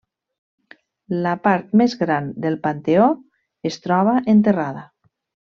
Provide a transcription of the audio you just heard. La part més gran del panteó es troba enterrada.